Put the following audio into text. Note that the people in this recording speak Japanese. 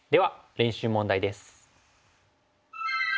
練習問題です。